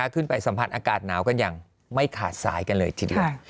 ขึ้นไปสัมผัสอากาศหนาวกันอย่างไม่ขาดสายกันเลยทีเดียว